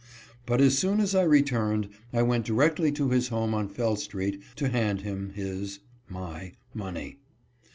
But as soon as I returned I went directly to his home on Fell street to hand him his (my) money.